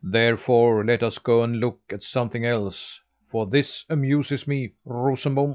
"Therefore, let us go and look at something else; for this amuses me, Rosenbom."